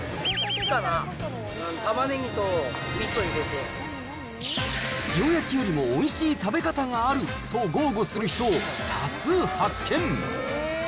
×××かな、塩焼きよりもおいしい食べ方があると豪語する人を多数発見！